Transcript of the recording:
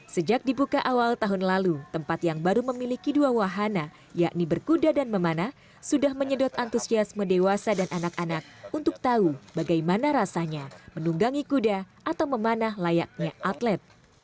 sejak dibuka awal tahun lalu tempat yang baru memiliki dua wahana yakni berkuda dan memanah sudah menyedot antusiasme dewasa dan anak anak untuk tahu bagaimana rasanya menunggangi kuda atau memanah layaknya atlet